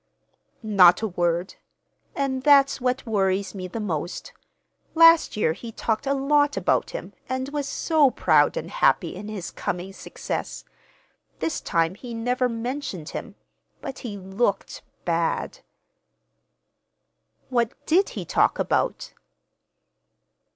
"Not a word—and that's what worries me the most. Last year he talked a lot about him, and was so proud and happy in his coming success. This time he never mentioned him; but he looked—bad." "What did he talk about?"